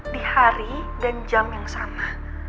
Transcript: di hari dan jam yang sama